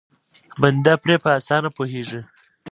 بنده پرې په اسانه پوهېږي.